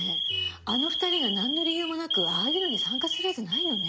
あの２人がなんの理由もなくああいうのに参加するはずないよね。